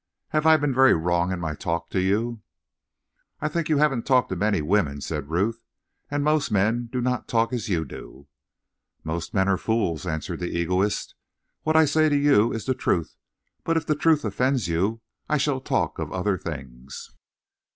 Have I been very wrong in my talk to you?" "I think you haven't talked to many women," said Ruth. "And most men do not talk as you do." "Most men are fools," answered the egoist. "What I say to you is the truth, but if the truth offends you I shall talk of other things."